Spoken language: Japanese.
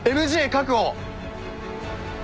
確保。